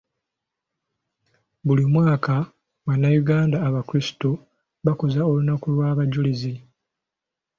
Buli mwaka bannayuganda abakrisito bakuza olunaku lw'abajulizi.